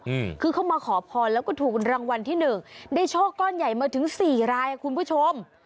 อืมคือเขามาขอพรแล้วก็ถูกรางวัลที่หนึ่งได้โชคก้อนใหญ่มาถึงสี่รายอ่ะคุณผู้ชม